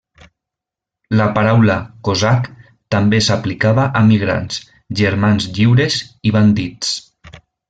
La paraula 'cosac' també s'aplicava a migrants, germans lliures i bandits.